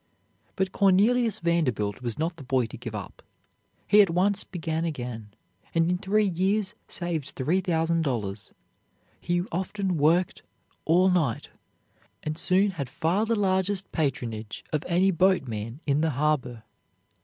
But Cornelius Vanderbilt was not the boy to give up. He at once began again, and in three years saved three thousand dollars. He often worked all night, and soon had far the largest patronage of any boatman in the harbor.